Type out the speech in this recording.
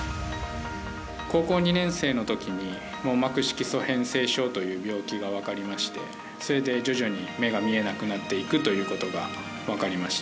高校２年生のときに網膜色素変性症という病気が分かりましてそれで徐々に目が見えなくなっていくということが分かりました。